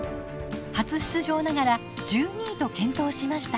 初出場ながら１２位と健闘しました。